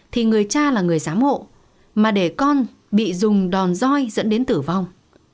thì người cha là người giám hộ mà để con bị dùng đòn roi dẫn đến tử vong